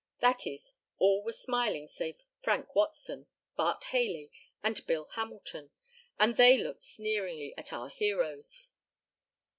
That is, all were smiling save Frank Watson, Bart Haley and Bill Hamilton, and they looked sneeringly at our heroes.